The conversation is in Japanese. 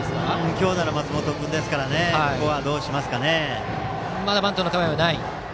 強打の松本君ですからここはどうしますかね。